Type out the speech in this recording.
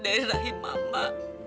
dari lahir mama